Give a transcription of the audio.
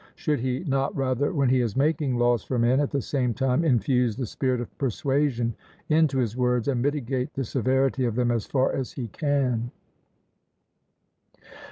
Should he not rather, when he is making laws for men, at the same time infuse the spirit of persuasion into his words, and mitigate the severity of them as far as he can?